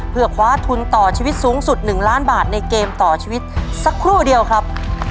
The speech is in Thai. เพื่อคว้าทุนต่อชีวิตสูงสุด๑ล้านบาทในเกมต่อชีวิตสักครู่เดียวครับ